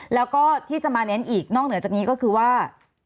แล้วก็ที่จะมาเน้นอีกนอกเหนือจากนี้ก็คือว่า